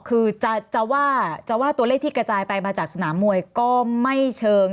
คือจะว่าจะว่าตัวเลขที่กระจายไปมาจากสนามมวยก็ไม่เชิง